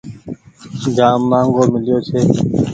جآم مآنگهو ميليو ڇي۔